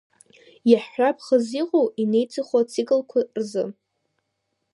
Иаҳҳәап хаз иҟоу, инеиҵыху ациклқәа рзы.